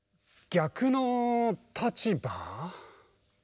逆の立場？